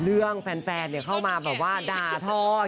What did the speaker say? แฟนเข้ามาแบบว่าด่าทอด